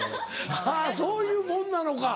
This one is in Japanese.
あぁそういうもんなのか。